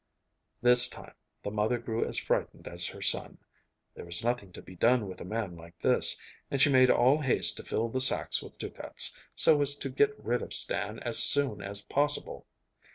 This time the mother grew as frightened as her son. There was nothing to be done with a man like this, and she made all haste to fill the sacks with ducats, so as to get rid of Stan as soon as possible.